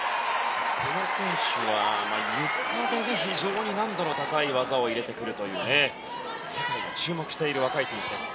この選手はゆかで非常に難度の高い技を入れてくるという世界も注目している若い選手です。